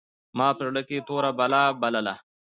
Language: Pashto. ما په زړه کښې توره بلا بلله.